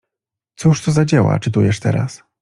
— Cóż to za dzieła czytujesz teraz?